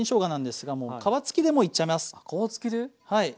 皮付きでいっちゃいます。